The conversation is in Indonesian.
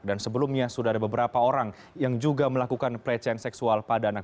dan sebelumnya sudah ada beberapa orang yang juga melakukan pelecehan seksual pada anak